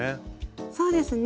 そうですね。